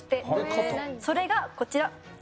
それがこちら。